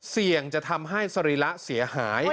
เสี่ยงจะทำให้สรีระเสียหาย